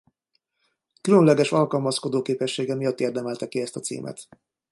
Különleges alkalmazkodóképessége miatt érdemelte ki ezt a címet.